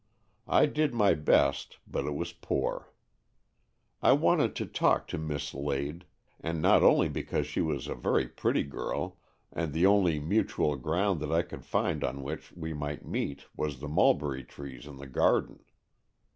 I did my best, but it was poor. I wanted to talk to Miss Lade — and not only because she was a very pretty girl — and the only mutual ground that I could find on which we might meet was the mulberry trees in the garden.